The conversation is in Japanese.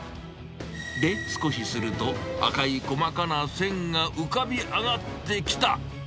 で、少しすると、赤い細かな線が浮かび上がってきた。